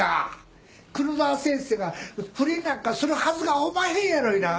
黒沢先生が不倫なんかするはずがおまへんやのにな！